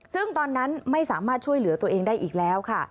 ซึ่งตอนนั้นไม่สามารถช่วยเหลือตัวเองได้อีกแล้วค่ะ